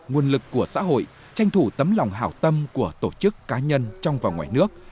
nguồn lực của xã hội tranh thủ tấm lòng hảo tâm của tổ chức cá nhân trong và ngoài nước